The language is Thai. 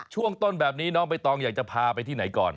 ช่วงต้นแบบนี้น้องใบตองอยากจะพาไปที่ไหนก่อน